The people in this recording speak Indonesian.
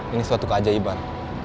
ini suatu keajaiban